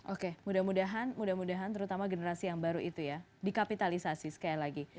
oke mudah mudahan mudah mudahan terutama generasi yang baru itu ya dikapitalisasi sekali lagi